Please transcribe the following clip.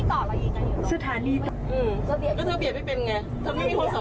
ไม่ค่ะตอนนี้ใส่กลทัยใส่กลทัยก็ไม่ต้องเบียน